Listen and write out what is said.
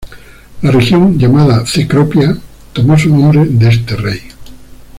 La región llamada Cecropia tomó su nombre de este rey.